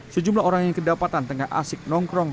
sejumlah orang yang kedapatan tengah asik nongkrong